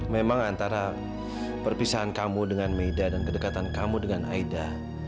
memang antara perpisahan kamu dengan meda dan kedekatan kamu dengan aida